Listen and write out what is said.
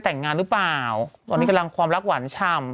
ตอนนี้ตอนนี้กำลังความรักหวานชำ